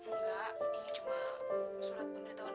enggak ini cuma surat pemberitahuan